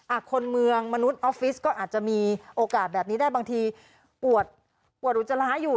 คนเมืองมนุษย์ออฟฟิศก็อาจจะมีโอกาสแบบนี้ได้บางทีปวดปวดอุจจาระอยู่